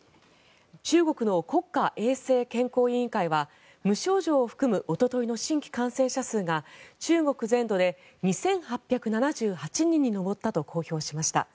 中国の国家衛生健康委員会は無症状を含むおとといの新規感染者数が中国全土で２８７８人に上ったと公表しました。